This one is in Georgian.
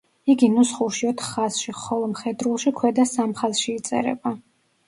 იგი ნუსხურში ოთხ ხაზში, ხოლო მხედრულში ქვედა სამ ხაზში იწერება.